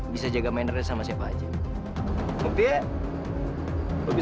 belakangan ini banyak orang yang nyakitin dia